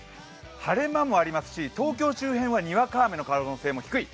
晴れ間もありますし東京周辺はにわか雨の可能性も低い。